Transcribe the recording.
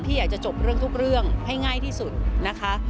อยากจะจบเรื่องทุกเรื่องให้ง่ายที่สุดนะคะ